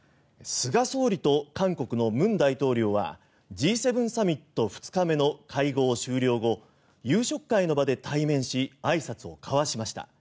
菅総理と韓国の文大統領はＧ７サミット２日目の会合終了後夕食会の場で対面しあいさつを交わしました。